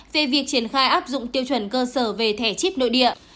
về việc triển khai áp dụng tiêu chuẩn cơ sở về thẻ chip nội địa